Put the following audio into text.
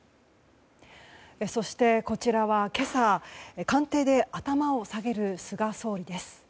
そして、こちらは今朝、官邸で頭を下げる菅総理です。